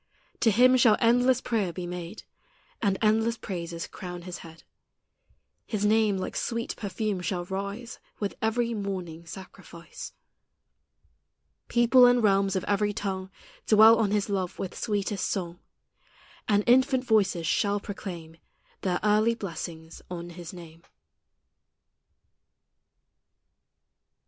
To Him shall endless prayer be made, And endless praises crown His head; His name like sweet perfume shall rise With every morning sacrifice. People and realms of every tongue Dwell on His love with sweetest song, And infant voices shall proclaim Their early blessings on His name.